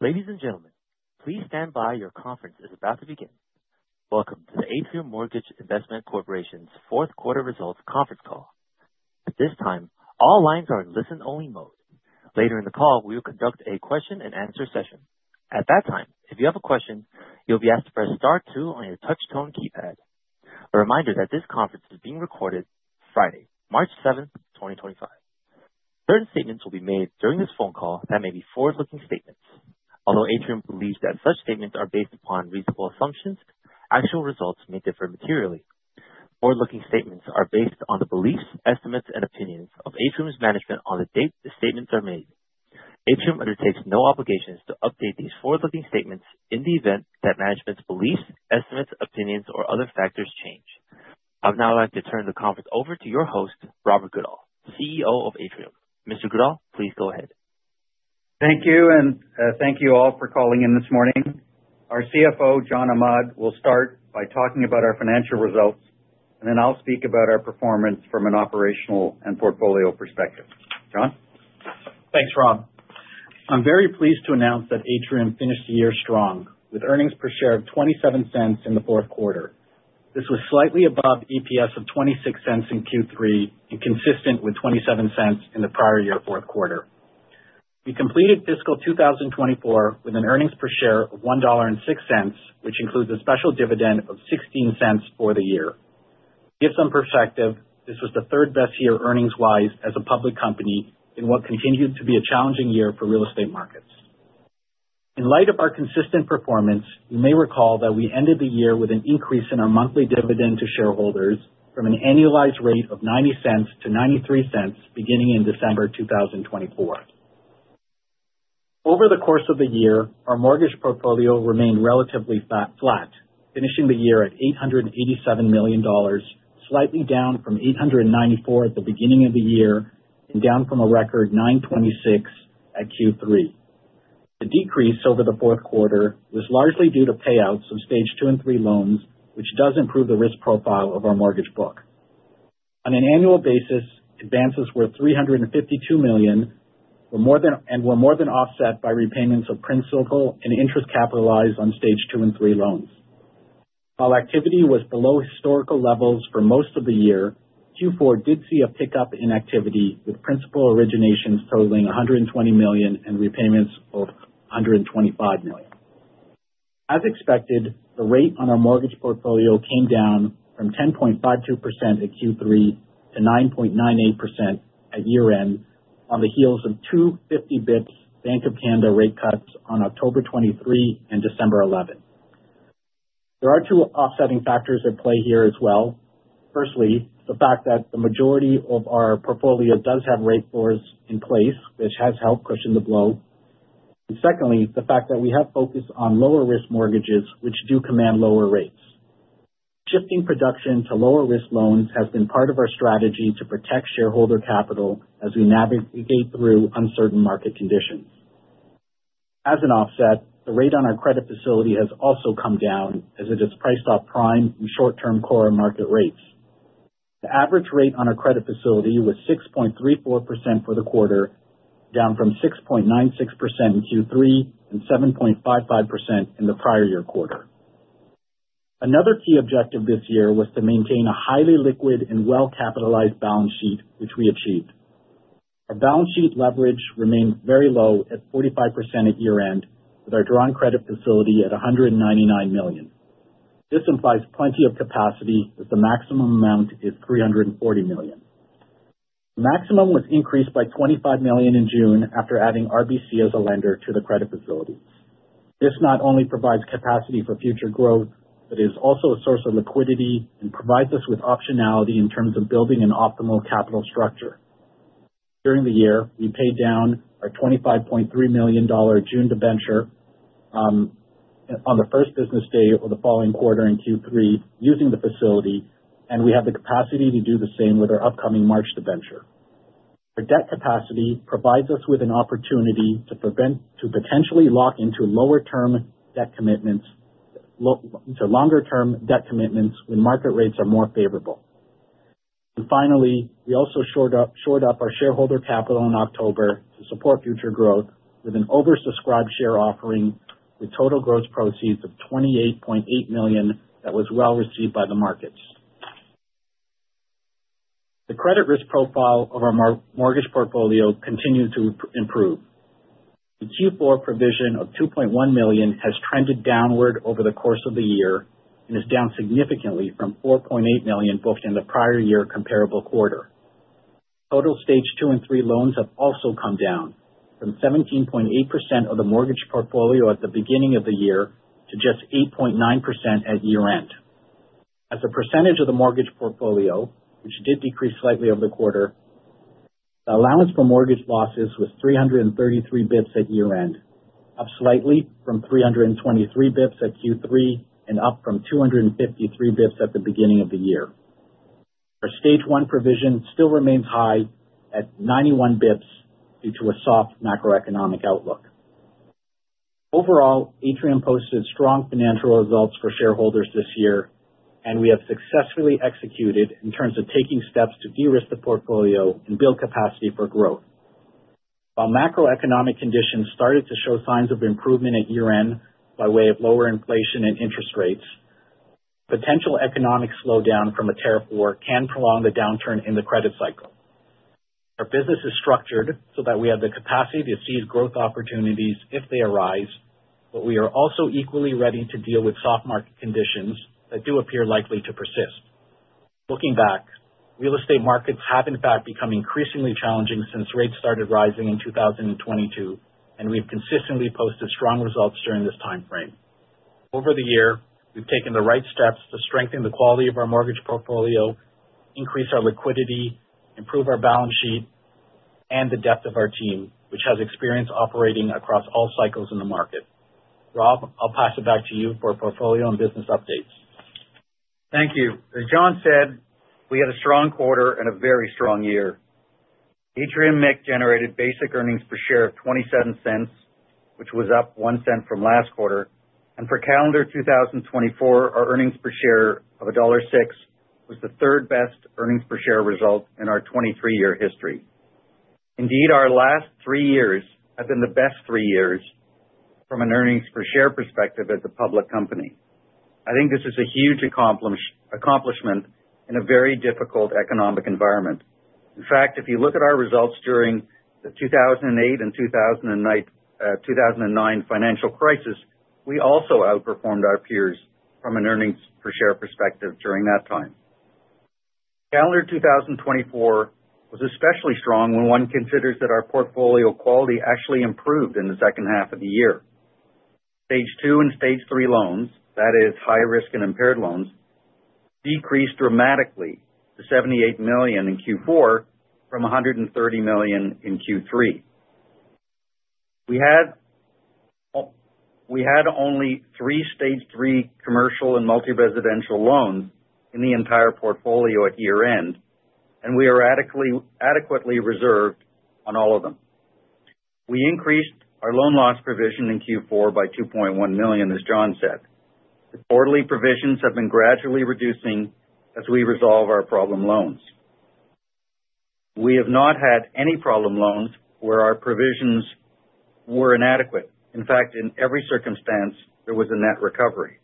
Ladies and gentlemen, please stand by. Your conference is about to begin. Welcome to the Atrium Mortgage Investment Corporation's fourth quarter results conference call. At this time, all lines are in listen-only mode. Later in the call, we will conduct a question-and-answer session. At that time, if you have a question, you'll be asked to press star two on your touch-tone keypad. A reminder that this conference is being recorded Friday, March 7, 2025. Certain statements will be made during this phone call that may be forward-looking statements. Although Atrium believes that such statements are based upon reasonable assumptions, actual results may differ materially. Forward-looking statements are based on the beliefs, estimates, and opinions of Atrium's management on the date the statements are made. Atrium undertakes no obligations to update these forward-looking statements in the event that management's beliefs, estimates, opinions, or other factors change. I would now like to turn the conference over to your host, Robert Goodall, CEO of Atrium. Mr. Goodall, please go ahead. Thank you, and thank you all for calling in this morning. Our CFO, John Ahmad, will start by talking about our financial results, and then I'll speak about our performance from an operational and portfolio perspective. John? Thanks, Rob. I'm very pleased to announce that Atrium finished the year strong, with earnings per share of $0.27 in the fourth quarter. This was slightly above EPS of $0.26 in Q3 and consistent with $0.27 in the prior year fourth quarter. We completed fiscal 2024 with an earnings per share of $1.06, which includes a special dividend of $0.16 for the year. To give some perspective, this was the third-best year earnings-wise as a public company in what continued to be a challenging year for real estate markets. In light of our consistent performance, you may recall that we ended the year with an increase in our monthly dividend to shareholders from an annualized rate of $0.90 to $0.93 beginning in December 2024. Over the course of the year, our mortgage portfolio remained relatively flat, finishing the year at 887 million dollars, slightly down from 894 million at the beginning of the year and down from a record 926 million at Q3. The decrease over the fourth quarter was largely due to payouts of stage two and stage three loans, which does improve the risk profile of our mortgage book. On an annual basis, advances were 352 million and were more than offset by repayments of principal and interest capitalized on stage two and stage three loans. While activity was below historical levels for most of the year, Q4 did see a pickup in activity, with principal originations totaling 120 million and repayments of 125 million. As expected, the rate on our mortgage portfolio came down from 10.52% at Q3 to 9.98% at year-end on the heels of two 50-basis point Bank of Canada rate cuts on October 23 and December 11. There are two offsetting factors at play here as well. Firstly, the fact that the majority of our portfolio does have rate floors in place, which has helped cushion the blow. Secondly, the fact that we have focused on lower-risk mortgages, which do command lower rates. Shifting production to lower-risk loans has been part of our strategy to protect shareholder capital as we navigate through uncertain market conditions. As an offset, the rate on our credit facility has also come down as it is priced off prime and short-term core market rates. The average rate on our credit facility was 6.34% for the quarter, down from 6.96% in Q3 and 7.55% in the prior year quarter. Another key objective this year was to maintain a highly liquid and well-capitalized balance sheet, which we achieved. Our balance sheet leverage remained very low at 45% at year-end, with our drawn credit facility at 199 million. This implies plenty of capacity as the maximum amount is 340 million. The maximum was increased by 25 million in June after adding RBC as a lender to the credit facility. This not only provides capacity for future growth, but is also a source of liquidity and provides us with optionality in terms of building an optimal capital structure. During the year, we paid down our 25.3 million dollar June debenture on the first business day of the following quarter in Q3 using the facility, and we have the capacity to do the same with our upcoming March debenture. Our debt capacity provides us with an opportunity to potentially lock into longer-term debt commitments when market rates are more favorable. Finally, we also shored up our shareholder capital in October to support future growth with an oversubscribed share offering with total gross proceeds of 28.8 million that was well received by the markets. The credit risk profile of our mortgage portfolio continues to improve. The Q4 provision of 2.1 million has trended downward over the course of the year and is down significantly from 4.8 million booked in the prior year comparable quarter. Total stage two and three loans have also come down from 17.8% of the mortgage portfolio at the beginning of the year to just 8.9% at year-end. As a percentage of the mortgage portfolio, which did decrease slightly over the quarter, the allowance for mortgage losses was 333 basis points at year-end, up slightly from 323 basis points at Q3 and up from 253 basis points at the beginning of the year. Our stage one provision still remains high at 91 basis points due to a soft macroeconomic outlook. Overall, Atrium posted strong financial results for shareholders this year, and we have successfully executed in terms of taking steps to de-risk the portfolio and build capacity for growth. While macroeconomic conditions started to show signs of improvement at year-end by way of lower inflation and interest rates, potential economic slowdown from a tariff war can prolong the downturn in the credit cycle. Our business is structured so that we have the capacity to seize growth opportunities if they arise, but we are also equally ready to deal with soft market conditions that do appear likely to persist. Looking back, real estate markets have, in fact, become increasingly challenging since rates started rising in 2022, and we've consistently posted strong results during this timeframe. Over the year, we've taken the right steps to strengthen the quality of our mortgage portfolio, increase our liquidity, improve our balance sheet, and the depth of our team, which has experience operating across all cycles in the market. Rob, I'll pass it back to you for portfolio and business updates. Thank you. As John said, we had a strong quarter and a very strong year. Atrium Mortgage Investment Corporation generated basic earnings per share of $0.27, which was up $0.01 from last quarter. For calendar 2024, our earnings per share of $1.06 was the third-best earnings per share result in our 23-year history. Indeed, our last three years have been the best three years from an earnings per share perspective as a public company. I think this is a huge accomplishment in a very difficult economic environment. In fact, if you look at our results during the 2008 and 2009 financial crisis, we also outperformed our peers from an earnings per share perspective during that time. Calendar 2024 was especially strong when one considers that our portfolio quality actually improved in the second half of the year. Stage two and stage three loans, that is, high-risk and impaired loans, decreased dramatically to 78 million in Q4 from 130 million in Q3. We had only three stage three commercial and multi-residential loans in the entire portfolio at year-end, and we are adequately reserved on all of them. We increased our loan loss provision in Q4 by 2.1 million, as John said. The quarterly provisions have been gradually reducing as we resolve our problem loans. We have not had any problem loans where our provisions were inadequate. In fact, in every circumstance, there was a net recovery.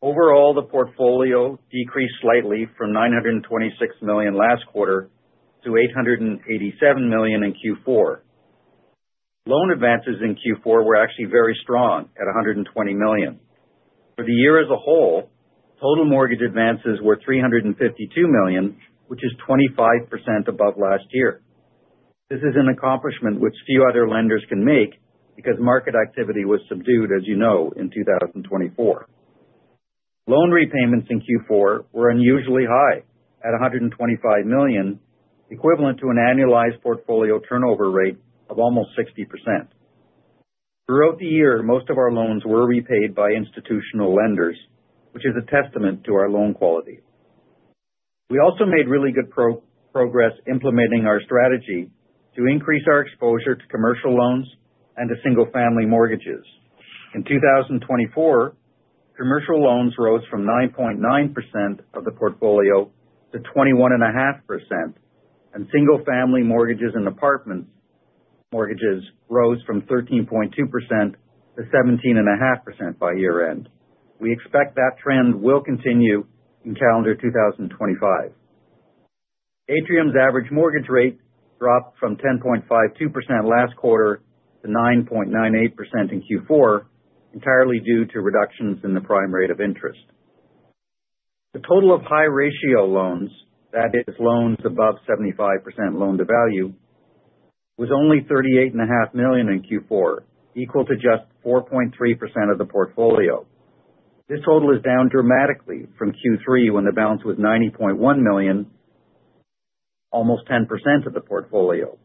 Overall, the portfolio decreased slightly from 926 million last quarter to 887 million in Q4. Loan advances in Q4 were actually very strong at 120 million. For the year as a whole, total mortgage advances were 352 million, which is 25% above last year. This is an accomplishment which few other lenders can make because market activity was subdued, as you know, in 2024. Loan repayments in Q4 were unusually high at 125 million, equivalent to an annualized portfolio turnover rate of almost 60%. Throughout the year, most of our loans were repaid by institutional lenders, which is a testament to our loan quality. We also made really good progress implementing our strategy to increase our exposure to commercial loans and to single-family mortgages. In 2024, commercial loans rose from 9.9% of the portfolio to 21.5%, and single-family mortgages and apartment mortgages rose from 13.2% to 17.5% by year-end. We expect that trend will continue in calendar 2025. Atrium's average mortgage rate dropped from 10.52% last quarter to 9.98% in Q4, entirely due to reductions in the prime rate of interest. The total of high-ratio loans, that is, loans above 75% loan-to-value, was only 38.5 million in Q4, equal to just 4.3% of the portfolio. This total is down dramatically from Q3 when the balance was 90.1 million, almost 10% of the portfolio.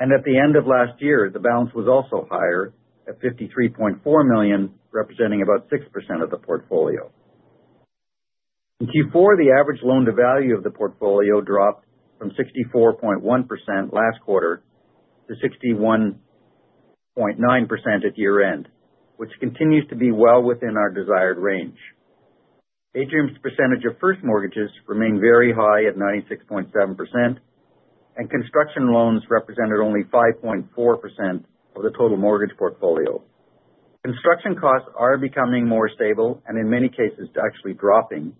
At the end of last year, the balance was also higher at 53.4 million, representing about 6% of the portfolio. In Q4, the average loan-to-value of the portfolio dropped from 64.1% last quarter to 61.9% at year-end, which continues to be well within our desired range. Atrium's percentage of first mortgages remained very high at 96.7%, and construction loans represented only 5.4% of the total mortgage portfolio. Construction costs are becoming more stable and, in many cases, actually dropping,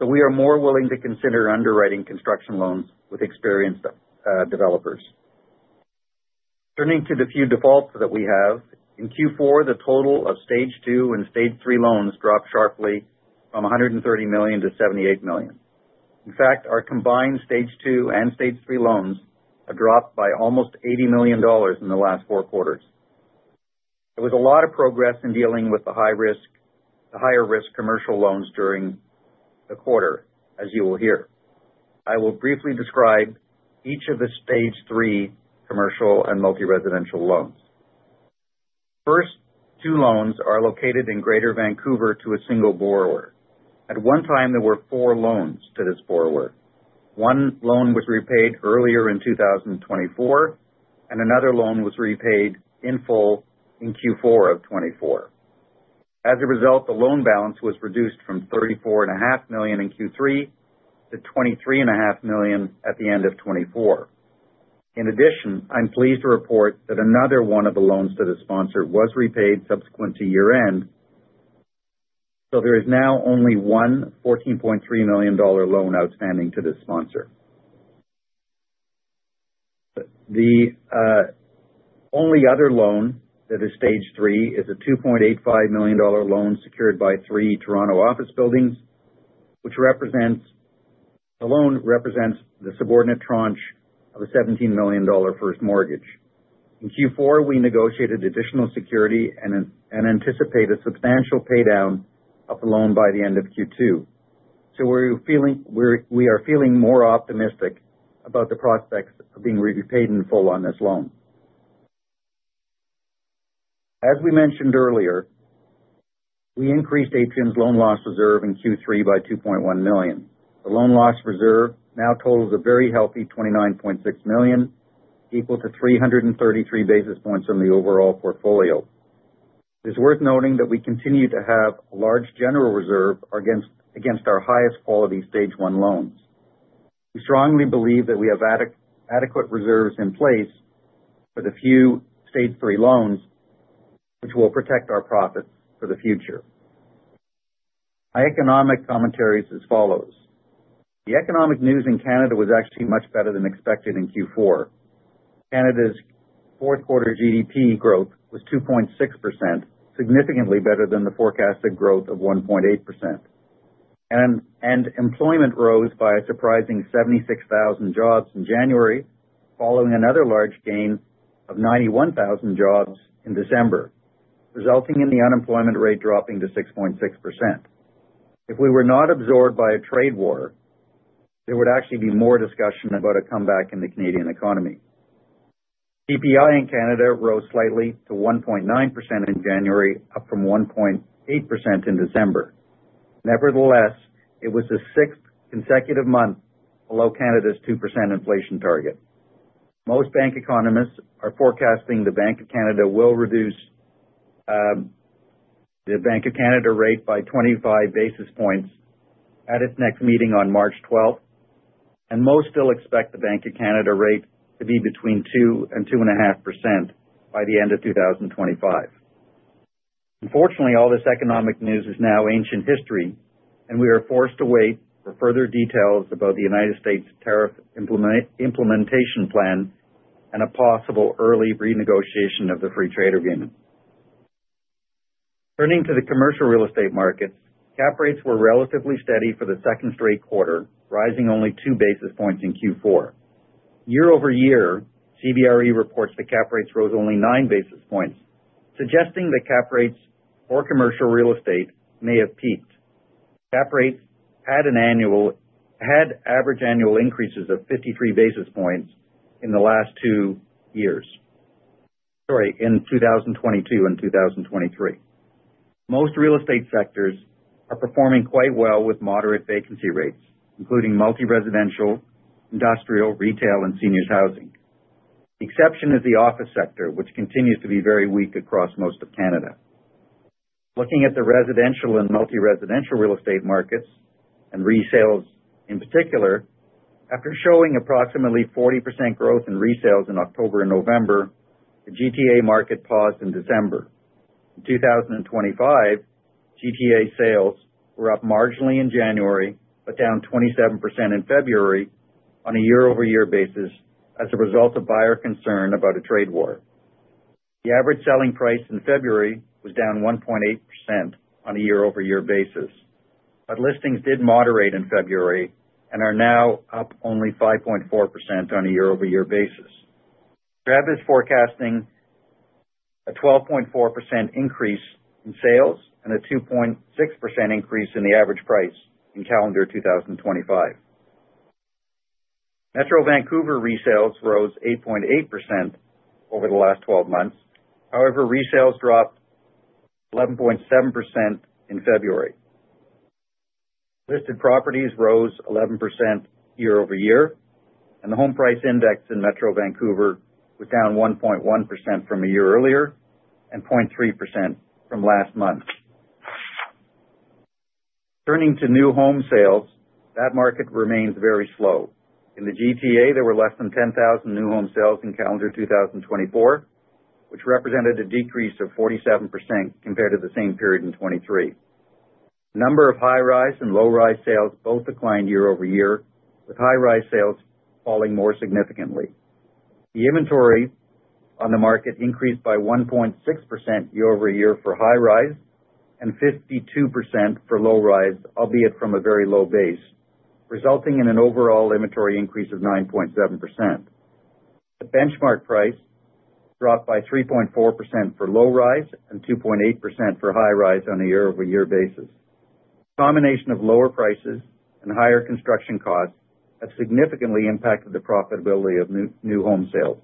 so we are more willing to consider underwriting construction loans with experienced developers. Turning to the few defaults that we have, in Q4, the total of stage two and stage three loans dropped sharply from 130 million to 78 million. In fact, our combined stage two and stage three loans have dropped by almost 80 million dollars in the last four quarters. There was a lot of progress in dealing with the higher-risk commercial loans during the quarter, as you will hear. I will briefly describe each of the stage three commercial and multi-residential loans. First, two loans are located in Greater Vancouver to a single borrower. At one time, there were four loans to this borrower. One loan was repaid earlier in 2024, and another loan was repaid in full in Q4 of 2024. As a result, the loan balance was reduced from 34.5 million in Q3 to 23.5 million at the end of 2024. In addition, I'm pleased to report that another one of the loans to the sponsor was repaid subsequent to year-end, so there is now only one 14.3 million dollar loan outstanding to the sponsor. The only other loan that is stage three is a 2.85 million dollar loan secured by three Toronto office buildings, which represents the subordinate tranche of a 17 million dollar first mortgage. In Q4, we negotiated additional security and anticipate a substantial paydown of the loan by the end of Q2, so we are feeling more optimistic about the prospects of being repaid in full on this loan. As we mentioned earlier, we increased Atrium's loan loss reserve in Q3 by 2.1 million. The loan loss reserve now totals a very healthy 29.6 million, equal to 333 basis points on the overall portfolio. It is worth noting that we continue to have a large general reserve against our highest quality stage one loans. We strongly believe that we have adequate reserves in place for the few stage three loans, which will protect our profits for the future. My economic commentary is as follows. The economic news in Canada was actually much better than expected in Q4. Canada's fourth quarter GDP growth was 2.6%, significantly better than the forecasted growth of 1.8%. Employment rose by a surprising 76,000 jobs in January, following another large gain of 91,000 jobs in December, resulting in the unemployment rate dropping to 6.6%. If we were not absorbed by a trade war, there would actually be more discussion about a comeback in the Canadian economy. CPI in Canada rose slightly to 1.9% in January, up from 1.8% in December. Nevertheless, it was the sixth consecutive month below Canada's 2% inflation target. Most bank economists are forecasting the Bank of Canada will reduce the Bank of Canada rate by 25 basis points at its next meeting on March 12th, and most still expect the Bank of Canada rate to be between 2-2.5% by the end of 2025. Unfortunately, all this economic news is now ancient history, and we are forced to wait for further details about the United States' tariff implementation plan and a possible early renegotiation of the free trade agreement. Turning to the commercial real estate markets, cap rates were relatively steady for the second straight quarter, rising only two basis points in Q4. Year over year, CBRE reports that cap rates rose only nine basis points, suggesting that cap rates for commercial real estate may have peaked. Cap rates had average annual increases of 53 basis points in the last two years in 2022 and 2023. Most real estate sectors are performing quite well with moderate vacancy rates, including multi-residential, industrial, retail, and seniors' housing. The exception is the office sector, which continues to be very weak across most of Canada. Looking at the residential and multi-residential real estate markets and resales in particular, after showing approximately 40% growth in resales in October and November, the GTA market paused in December. In 2025, GTA sales were up marginally in January but down 27% in February on a year-over-year basis as a result of buyer concern about a trade war. The average selling price in February was down 1.8% on a year-over-year basis, but listings did moderate in February and are now up only 5.4% on a year-over-year basis. TRREB is forecasting a 12.4% increase in sales and a 2.6% increase in the average price in calendar 2025. Metro Vancouver resales rose 8.8% over the last 12 months. However, resales dropped 11.7% in February. Listed properties rose 11% year-over-year, and the home price index in Metro Vancouver was down 1.1% from a year earlier and 0.3% from last month. Turning to new home sales, that market remains very slow. In the Greater Toronto Area, there were less than 10,000 new home sales in calendar 2024, which represented a decrease of 47% compared to the same period in 2023. The number of high-rise and low-rise sales both declined year-over-year, with high-rise sales falling more significantly. The inventory on the market increased by 1.6% year-over-year for high-rise and 52% for low-rise, albeit from a very low base, resulting in an overall inventory increase of 9.7%. The benchmark price dropped by 3.4% for low-rise and 2.8% for high-rise on a year-over-year basis. The combination of lower prices and higher construction costs has significantly impacted the profitability of new home sales.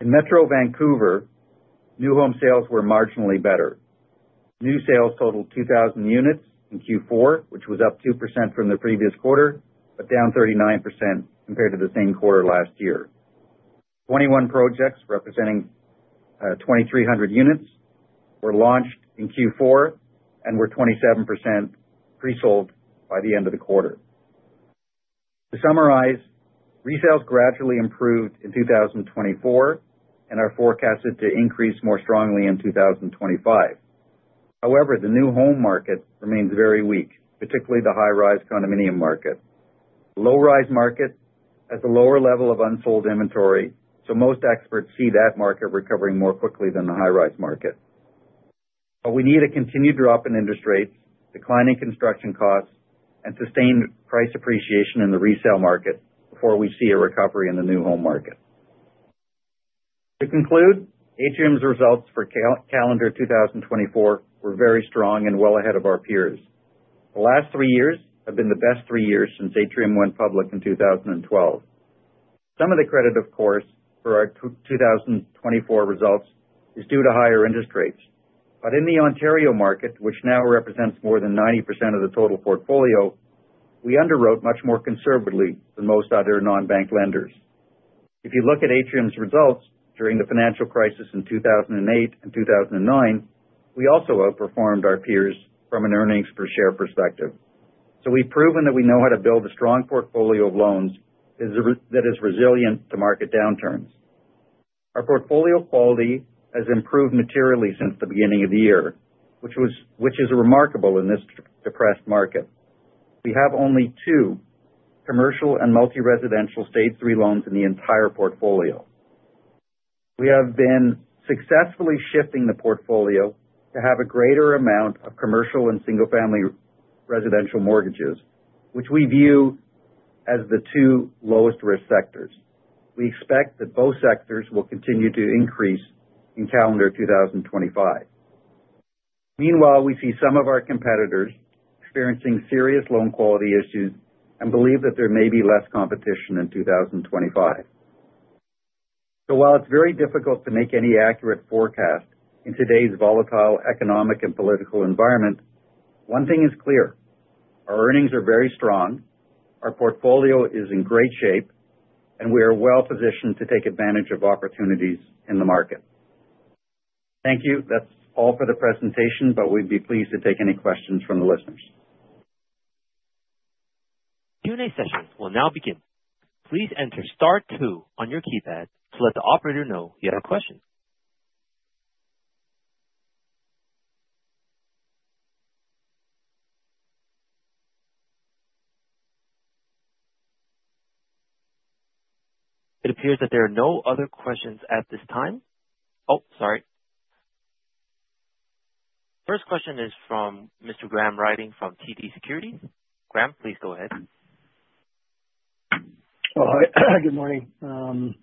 In Metro Vancouver, new home sales were marginally better. New sales totaled 2,000 units in Q4, which was up 2% from the previous quarter but down 39% compared to the same quarter last year. Twenty-one projects representing 2,300 units were launched in Q4 and were 27% presold by the end of the quarter. To summarize, resales gradually improved in 2024 and are forecasted to increase more strongly in 2025. However, the new home market remains very weak, particularly the high-rise condominium market. The low-rise market has a lower level of unsold inventory, so most experts see that market recovering more quickly than the high-rise market. We need a continued drop in interest rates, declining construction costs, and sustained price appreciation in the resale market before we see a recovery in the new home market. To conclude, Atrium's results for calendar 2024 were very strong and well ahead of our peers. The last three years have been the best three years since Atrium went public in 2012. Some of the credit, of course, for our 2024 results is due to higher interest rates. In the Ontario market, which now represents more than 90% of the total portfolio, we underwrote much more conservatively than most other non-bank lenders. If you look at Atrium's results during the financial crisis in 2008 and 2009, we also outperformed our peers from an earnings-per-share perspective. We have proven that we know how to build a strong portfolio of loans that is resilient to market downturns. Our portfolio quality has improved materially since the beginning of the year, which is remarkable in this depressed market. We have only two commercial and multi-residential stage three loans in the entire portfolio. We have been successfully shifting the portfolio to have a greater amount of commercial and single-family residential mortgages, which we view as the two lowest-risk sectors. We expect that both sectors will continue to increase in calendar 2025. Meanwhile, we see some of our competitors experiencing serious loan quality issues and believe that there may be less competition in 2025. While it is very difficult to make any accurate forecast in today's volatile economic and political environment, one thing is clear: our earnings are very strong, our portfolio is in great shape, and we are well positioned to take advantage of opportunities in the market. Thank you. That's all for the presentation, but we'd be pleased to take any questions from the listeners. Q&A session will now begin. Please enter Star two on your keypad to let the operator know you have a question. It appears that there are no other questions at this time. Oh, sorry. First question is from Mr. Graham Ryding from TD Securities. Graham, please go ahead. Hi. Good morning. Sorry,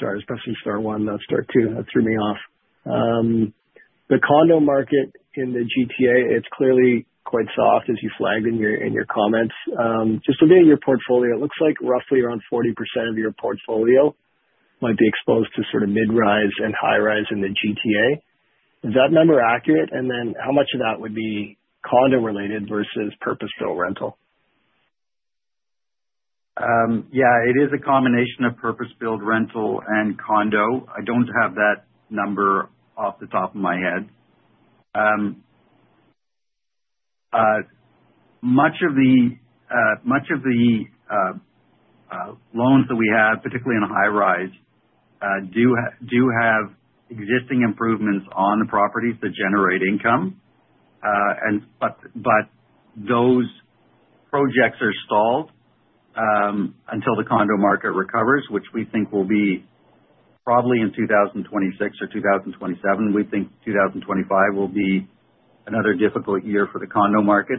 I was pressing Star one, not Star two. That threw me off. The condo market in the GTA, it's clearly quite soft, as you flagged in your comments. Just looking at your portfolio, it looks like roughly around 40% of your portfolio might be exposed to sort of mid-rise and high-rise in the GTA. Is that number accurate? And then how much of that would be condo-related versus purpose-built rental? Yeah. It is a combination of purpose-built rental and condo. I don't have that number off the top of my head. Much of the loans that we have, particularly in high-rise, do have existing improvements on the properties that generate income, but those projects are stalled until the condo market recovers, which we think will be probably in 2026 or 2027. We think 2025 will be another difficult year for the condo market.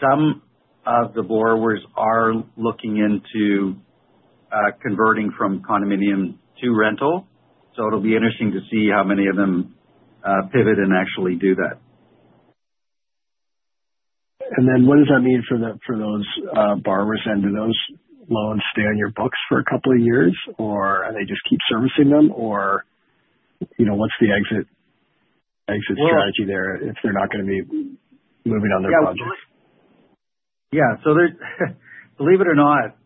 Some of the borrowers are looking into converting from condominium to rental, so it'll be interesting to see how many of them pivot and actually do that. What does that mean for those borrowers? Do those loans stay on your books for a couple of years, or do they just keep servicing them, or what's the exit strategy there if they're not going to be moving on their projects? Yeah. Believe it or not,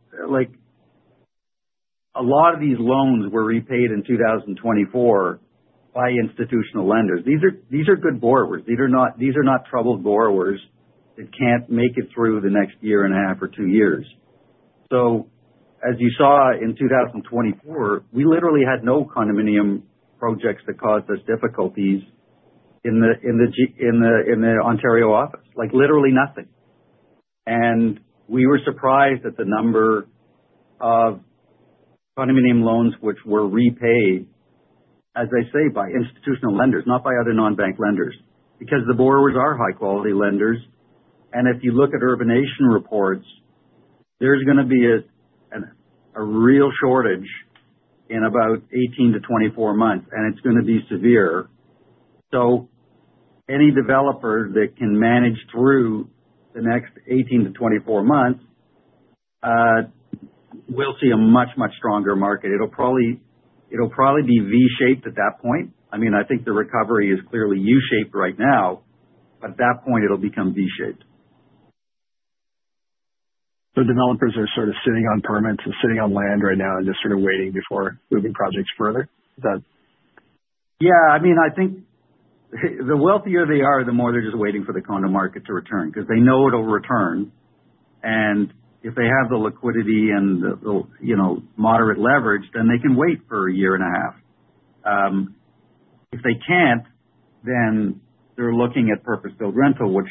a lot of these loans were repaid in 2024 by institutional lenders. These are good borrowers. These are not troubled borrowers that can't make it through the next year and a half or two years. As you saw in 2024, we literally had no condominium projects that caused us difficulties in the Ontario office. Literally nothing. We were surprised at the number of condominium loans which were repaid, as I say, by institutional lenders, not by other non-bank lenders, because the borrowers are high-quality lenders. If you look at Urbanation reports, there's going to be a real shortage in about 18-24 months, and it's going to be severe. Any developer that can manage through the next 18-24 months will see a much, much stronger market. It'll probably be V-shaped at that point. I mean, I think the recovery is clearly U-shaped right now, but at that point, it'll become V-shaped. Developers are sort of sitting on permits and sitting on land right now and just sort of waiting before moving projects further. Is that? Yeah. I mean, I think the wealthier they are, the more they're just waiting for the condo market to return because they know it'll return. If they have the liquidity and the moderate leverage, then they can wait for a year and a half. If they can't, then they're looking at purpose-built rental, which,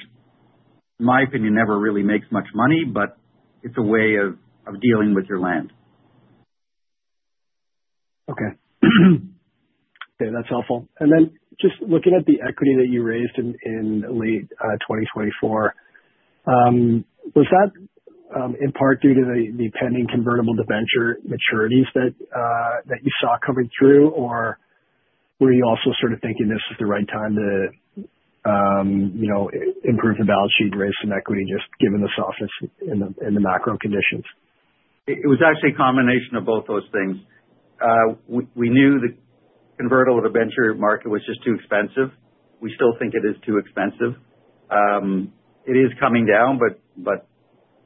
in my opinion, never really makes much money, but it's a way of dealing with your land. Okay. Okay. That's helpful. Just looking at the equity that you raised in late 2024, was that in part due to the pending convertible debenture maturities that you saw coming through, or were you also sort of thinking this is the right time to improve the balance sheet and raise some equity just given the softness in the macro conditions? It was actually a combination of both those things. We knew the convertible debenture market was just too expensive. We still think it is too expensive. It is coming down, but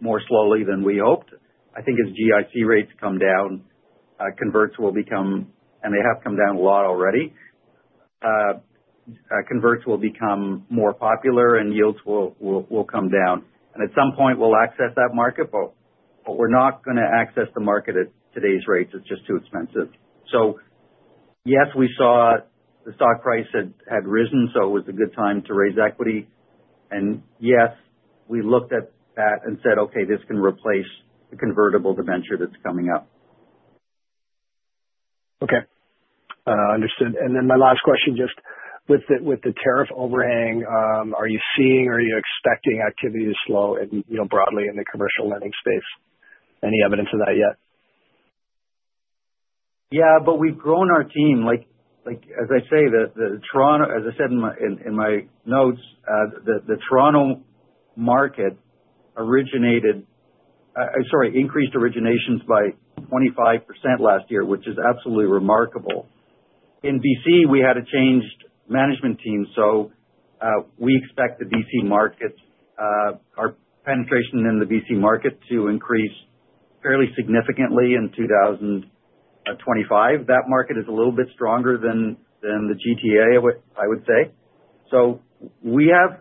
more slowly than we hoped. I think as GIC rates come down, converts will become—and they have come down a lot already—converts will become more popular, and yields will come down. At some point, we will access that market, but we are not going to access the market at today's rates. It is just too expensive. Yes, we saw the stock price had risen, so it was a good time to raise equity. Yes, we looked at that and said, "Okay, this can replace the convertible debenture that's coming up." Okay. Understood. My last question, just with the tariff overhang, are you seeing or are you expecting activity to slow broadly in the commercial lending space? Any evidence of that yet? Yeah. We've grown our team. As I said in my notes, the Toronto market increased originations by 25% last year, which is absolutely remarkable. In BC, we had a changed management team, so we expect the BC market—our penetration in the BC market—to increase fairly significantly in 2025. That market is a little bit stronger than the GTA, I would say. We have,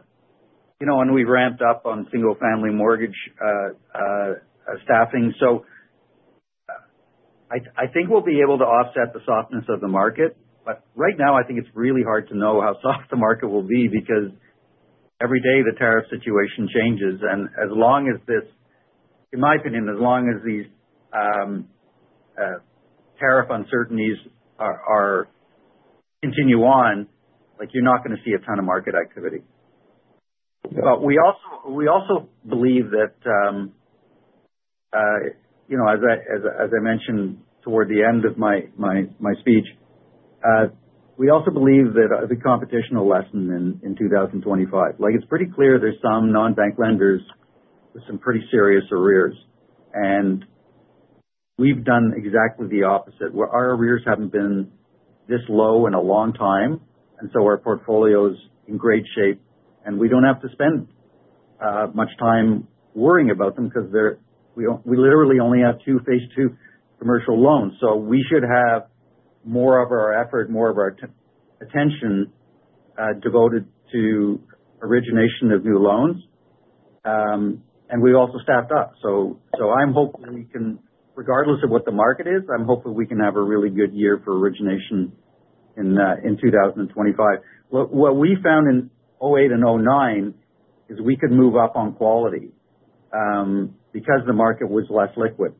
and we've ramped up on single-family mortgage staffing. I think we'll be able to offset the softness of the market. Right now, I think it's really hard to know how soft the market will be because every day the tariff situation changes. As long as this—in my opinion, as long as these tariff uncertainties continue on, you're not going to see a ton of market activity. We also believe that, as I mentioned toward the end of my speech, we also believe that the competition will lessen in 2025. It's pretty clear there's some non-bank lenders with some pretty serious arrears. We've done exactly the opposite. Our arrears haven't been this low in a long time, and so our portfolio is in great shape. We don't have to spend much time worrying about them because we literally only have two phase II commercial loans. We should have more of our effort, more of our attention devoted to origination of new loans. We have also staffed up. I am hopeful we can—regardless of what the market is, I am hopeful we can have a really good year for origination in 2025. What we found in 2008 and 2009 is we could move up on quality because the market was less liquid.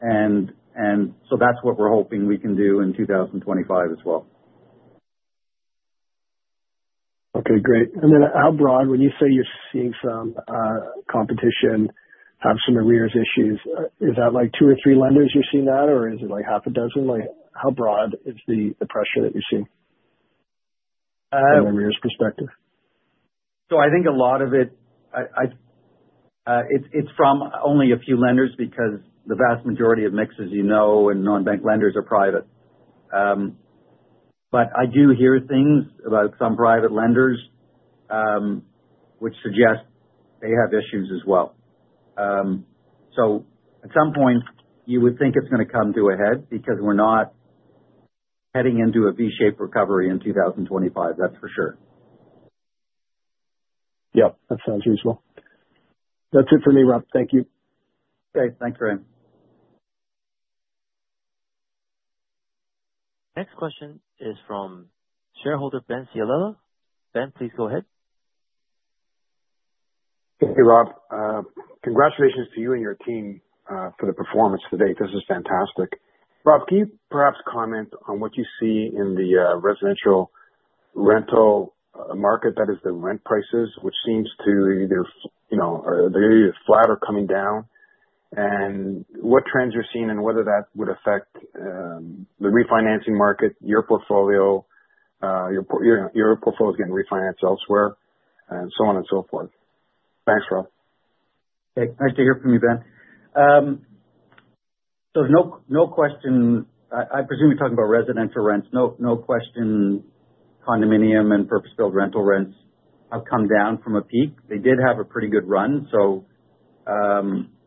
That is what we are hoping we can do in 2025 as well. Okay. Great. How broad—when you say you are seeing some competition, have some arrears issues—is that two or three lenders you are seeing that, or is it half a dozen? How broad is the pressure that you are seeing from an arrears perspective? I think a lot of it—it is from only a few lenders because the vast majority of MICs, you know, and non-bank lenders are private. But I do hear things about some private lenders which suggest they have issues as well. At some point, you would think it is going to come to a head because we are not heading into a V-shaped recovery in 2025, that is for sure. Yep. That sounds reasonable. That is it for me, Rob. Thank you. Okay. Thanks, Graham. Next question is from shareholder Ben Ciallella. Ben, please go ahead. Thank you, Rob. Congratulations to you and your team for the performance today. This is fantastic. Rob, can you perhaps comment on what you see in the residential rental market, that is, the rent prices, which seem to either—they are either flat or coming down? What trends you are seeing and whether that would affect the refinancing market, your portfolio, your portfolio is getting refinanced elsewhere, and so on and so forth? Thanks, Rob. Thanks. Nice to hear from you, Ben. No question—I presume you're talking about residential rents—no question condominium and purpose-built rental rents have come down from a peak. They did have a pretty good run, so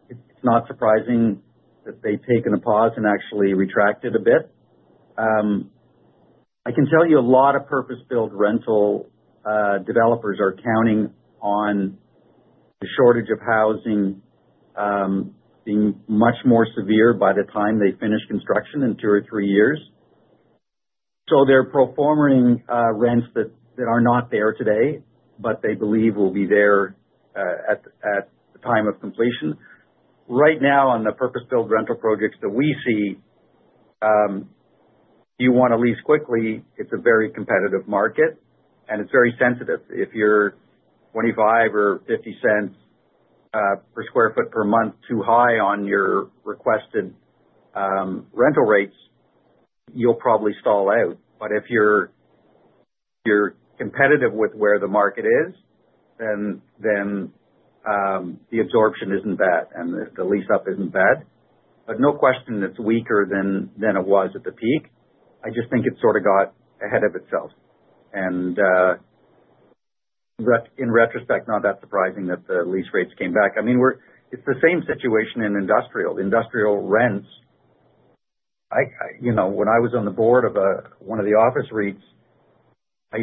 it's not surprising that they've taken a pause and actually retracted a bit. I can tell you a lot of purpose-built rental developers are counting on the shortage of housing being much more severe by the time they finish construction in two or three years. So they're performing rents that are not there today, but they believe will be there at the time of completion. Right now, on the purpose-built rental projects that we see, if you want to lease quickly, it's a very competitive market, and it's very sensitive. If you're 25 or 50 cents per sq ft per month too high on your requested rental rates, you'll probably stall out. If you're competitive with where the market is, then the absorption isn't bad, and the lease-up isn't bad. No question it's weaker than it was at the peak. I just think it sort of got ahead of itself. In retrospect, not that surprising that the lease rates came back. I mean, it's the same situation in industrial. Industrial rents, when I was on the board of one of the office REITs, I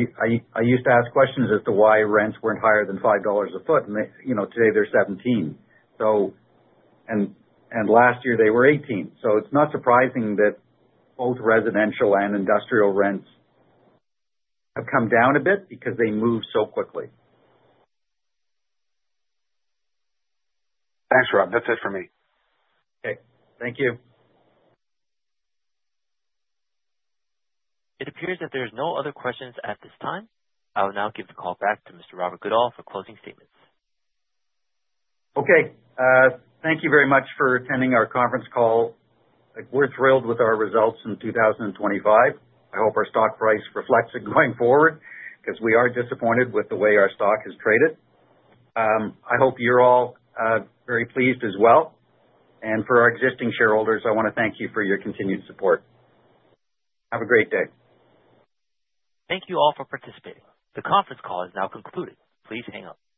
used to ask questions as to why rents weren't higher than $5 a sq ft. Today, they're 17. Last year, they were 18. It's not surprising that both residential and industrial rents have come down a bit because they moved so quickly. Thanks, Rob. That's it for me. Okay. Thank you. It appears that there are no other questions at this time. I'll now give the call back to Mr. Goodall. Thank you very much. Thank you very much for attending our conference call. We're thrilled with our results in 2025. I hope our stock price reflects it going forward because we are disappointed with the way our stock has traded. I hope you're all very pleased as well. For our existing shareholders, I want to thank you for your continued support. Have a great day. Thank you all for participating. The conference call is now concluded. Please hang up.